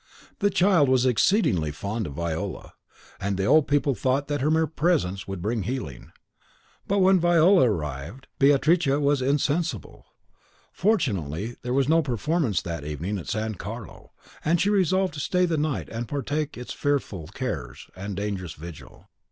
The child was exceedingly fond of Viola, and the old people thought that her mere presence would bring healing; but when Viola arrived, Beatrice was insensible. Fortunately there was no performance that evening at San Carlo, and she resolved to stay the night and partake its fearful cares and dangerous vigil.